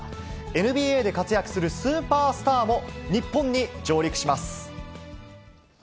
ＮＢＡで活躍するスーパースターも、日本に上陸します。